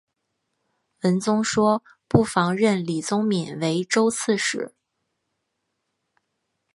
文宗说不妨任李宗闵为州刺史。